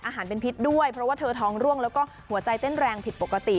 อาหารเป็นพิษด้วยเพราะว่าเธอท้องร่วงแล้วก็หัวใจเต้นแรงผิดปกติ